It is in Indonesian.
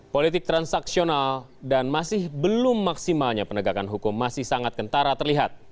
politik transaksional dan masih belum maksimalnya penegakan hukum masih sangat kentara terlihat